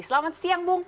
selamat siang bung